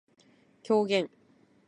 狂言